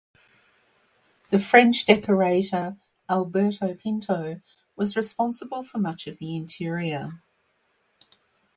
The French decorator Alberto Pinto was responsible for much of the interior.